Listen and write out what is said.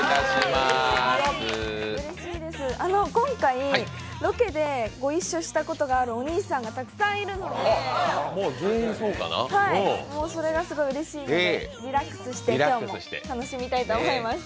今回、ロケでご一緒したことがあるお兄さんがたくさんいるので、それがすごいうれしいので、リラックスして今日も楽しみたいと思います。